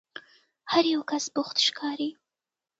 هر یو کس بوخت ښکاري.